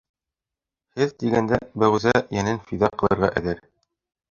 Һеҙ тигәндә, Бәғүзә йәнен фиҙа ҡылырға әҙер!